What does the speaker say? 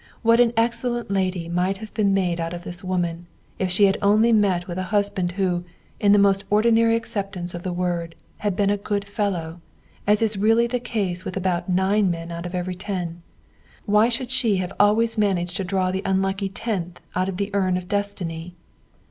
What an excellent lady might have been made out of this woman, if she had only met with a husband who, in the most ordinary acceptance of the word, had been a good fellow, as is really the case with about nine men out of every ten. Why should she have always managed to draw the unlucky tenth out of the urn of destiny?